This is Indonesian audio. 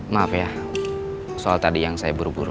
maaf ya soal tadi yang saya buru buru